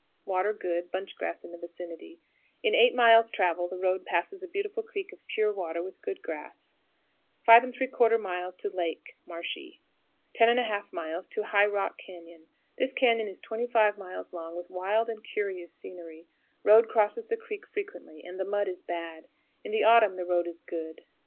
Water good; bunch grass in the vicinity. In eight miles' travel the road passes a beautiful creek of pure water, with good grass. 5 3/4. Lake (Marshy). 10 1/2. High Rock Cañon. This cañon is 25 miles long, with wild and curious scenery. Road crosses the creek frequently, and the mud is bad. In the autumn the road is good.